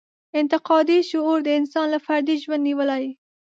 انتقادي شعور د انسان له فردي ژوند نېولې.